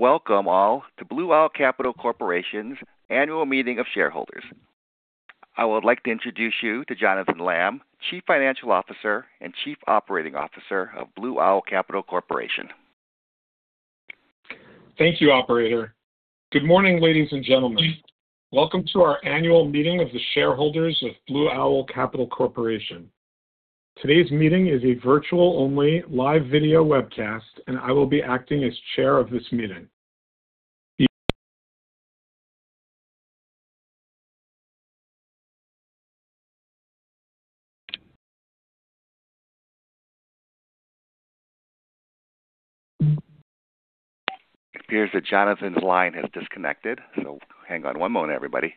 Welcome all to Blue Owl Capital Corporation's Annual Meeting of Shareholders. I would like to introduce you to Jonathan Lamm, Chief Financial Officer and Chief Operating Officer of Blue Owl Capital Corporation. Thank you, operator. Good morning, ladies and gentlemen. Welcome to our Annual Meeting of the Shareholders of Blue Owl Capital Corporation. Today's meeting is a virtual-only live video webcast, and I will be acting as Chair of this meeting. It appears that Jonathan's line has disconnected, hang on one moment, everybody.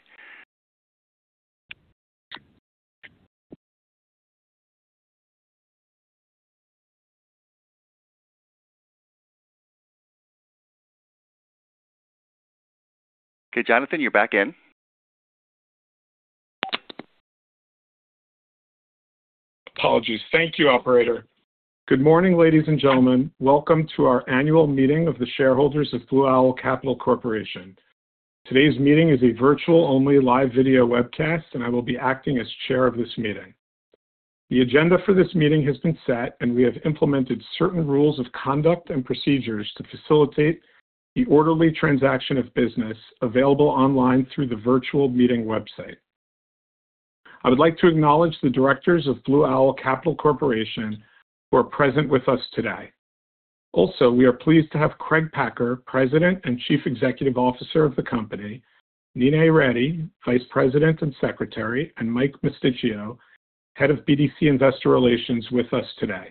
Okay, Jonathan, you're back in. Apologies. Thank you, operator. Good morning, ladies and gentlemen. Welcome to our Annual Meeting of the Shareholders of Blue Owl Capital Corporation. Today's meeting is a virtual-only live video webcast, and I will be acting as Chair of this meeting. The agenda for this meeting has been set, and we have implemented certain rules of conduct and procedures to facilitate the orderly transaction of business available online through the virtual meeting website. I would like to acknowledge the directors of Blue Owl Capital Corporation who are present with us today. Also, we are pleased to have Craig Packer, President and Chief Executive Officer of the company, Neena Reddy, Vice President and Secretary, and Mike Mosticchio, Head of BDC Investor Relations, with us today.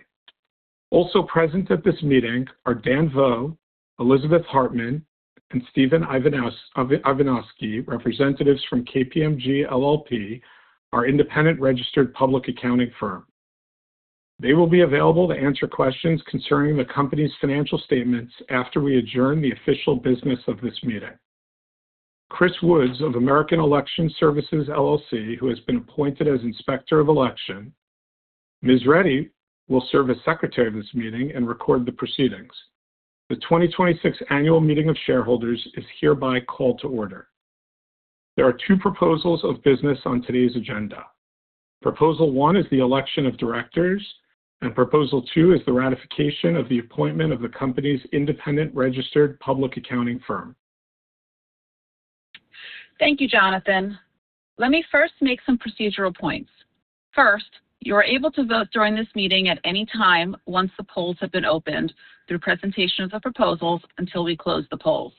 Also present at this meeting are Dan Vo, Elizabeth Hartmann, and Stephen Ivanoski, representatives from KPMG LLP, our independent registered public accounting firm. They will be available to answer questions concerning the company's financial statements after we adjourn the official business of this meeting. Chris Woods of American Election Services, LLC, who has been appointed as Inspector of Election. Ms. Reddy will serve as Secretary of this meeting and record the proceedings. The 2026 Annual Meeting of Shareholders is hereby called to order. There are two proposals of business on today's agenda. Proposal one is the election of directors, and proposal two is the ratification of the appointment of the company's independent registered public accounting firm. Thank you, Jonathan. Let me first make some procedural points. First, you are able to vote during this meeting at any time once the polls have been opened through presentation of the proposals until we close the polls.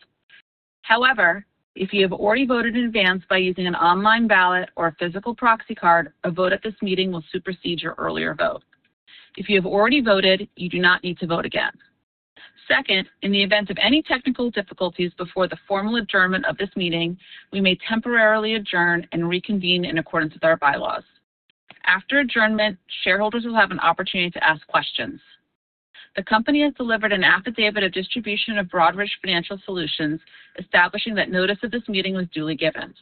However, if you have already voted in advance by using an online ballot or a physical proxy card, a vote at this meeting will supersede your earlier vote. If you have already voted, you do not need to vote again. Second, in the event of any technical difficulties before the formal adjournment of this meeting, we may temporarily adjourn and reconvene in accordance with our bylaws. After adjournment, shareholders will have an opportunity to ask questions. The company has delivered an Affidavit of Distribution of Broadridge Financial Solutions, establishing that notice of this meeting was duly given.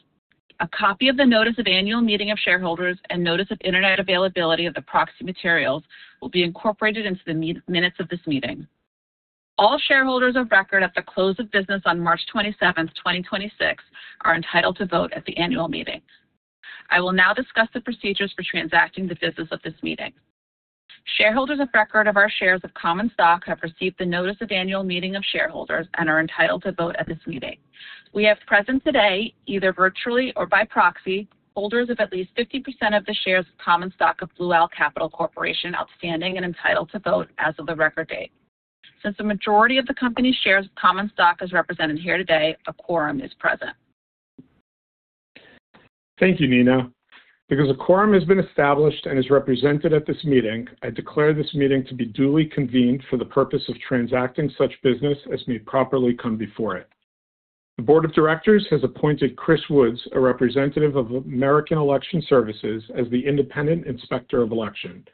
A copy of the Notice of Annual Meeting of Shareholders and Notice of Internet Availability of the Proxy Materials will be incorporated into the minutes of this meeting. All shareholders of record at the close of business on March 27th, 2026, are entitled to vote at the annual meeting. I will now discuss the procedures for transacting the business of this meeting. Shareholders of record of our shares of common stock have received the Notice of Annual Meeting of Shareholders and are entitled to vote at this meeting. We have present today, either virtually or by proxy, holders of at least 50% of the shares of common stock of Blue Owl Capital Corporation outstanding and entitled to vote as of the record date. Since the majority of the company's shares of common stock is represented here today, a quorum is present Thank you, Neena. Because a quorum has been established and is represented at this meeting, I declare this meeting to be duly convened for the purpose of transacting such business as may properly come before it. The Board of Directors has appointed Chris Woods, a representative of American Election Services, as the independent Inspector of Election.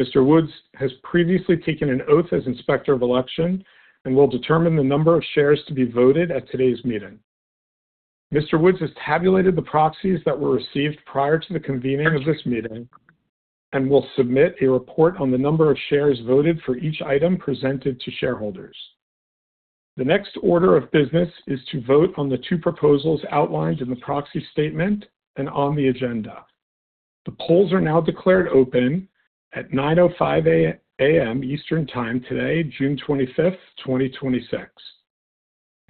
Mr. Woods has previously taken an oath as Inspector of Election and will determine the number of shares to be voted at today's meeting. Mr. Woods has tabulated the proxies that were received prior to the convening of this meeting and will submit a report on the number of shares voted for each item presented to shareholders. The next order of business is to vote on the two proposals outlined in the proxy statement and on the agenda. The polls are now declared open at 9:05 A.M. Eastern Time today, June 25th, 2026.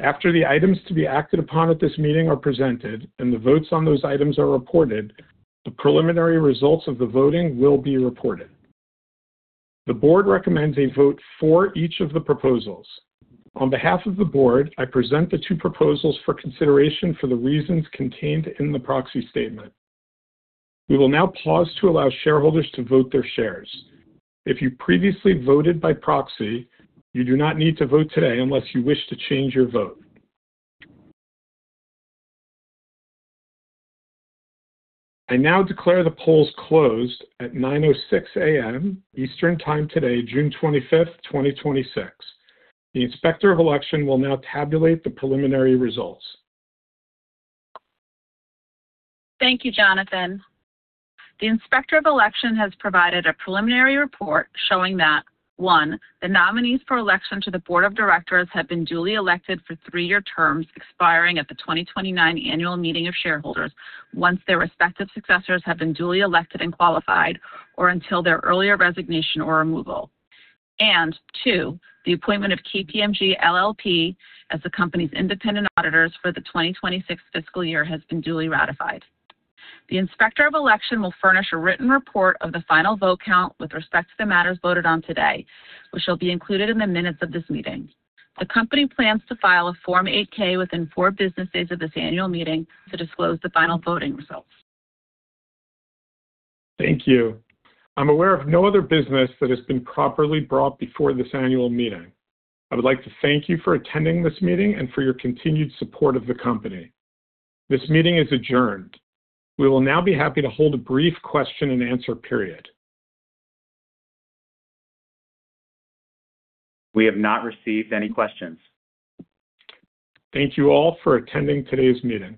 After the items to be acted upon at this meeting are presented and the votes on those items are reported, the preliminary results of the voting will be reported. The board recommends a vote for each of the proposals. On behalf of the board, I present the two proposals for consideration for the reasons contained in the proxy statement. We will now pause to allow shareholders to vote their shares. If you previously voted by proxy, you do not need to vote today unless you wish to change your vote. I now declare the polls closed at 9:06 A.M. Eastern Time today, June 25th, 2026. The Inspector of Election will now tabulate the preliminary results. Thank you, Jonathan. The Inspector of Election has provided a preliminary report showing that, one, the nominees for election to the Board of Directors have been duly elected for three-year terms expiring at the 2029 Annual Meeting of Shareholders once their respective successors have been duly elected and qualified, or until their earlier resignation or removal. And two, the appointment of KPMG LLP as the company's independent auditors for the 2026 fiscal year has been duly ratified. The Inspector of Election will furnish a written report of the final vote count with respect to the matters voted on today, which will be included in the minutes of this meeting. The company plans to file a Form 8-K within four business days of this annual meeting to disclose the final voting results. Thank you. I am aware of no other business that has been properly brought before this annual meeting. I would like to thank you for attending this meeting and for your continued support of the company. This meeting is adjourned. We will now be happy to hold a brief question-and-answer period. We have not received any questions Thank you all for attending today's meeting.